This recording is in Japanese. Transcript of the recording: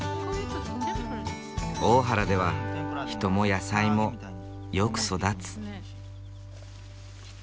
大原では人も野菜もよく育つ。